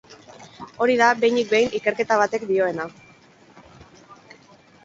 Hori da, behinik behin, ikerketa batek dioena.